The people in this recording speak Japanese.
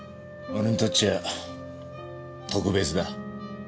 俺にとっちゃあ特別だ。